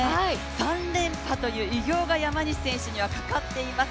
３連覇という偉業が山西選手にはかかっています。